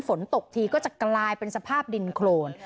ฝนตกทีก็จะกลายเป็นสภาพดินโครน